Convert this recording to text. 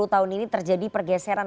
sepuluh tahun ini terjadi pergeseran